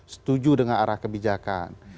setuju dengan arah kebijakan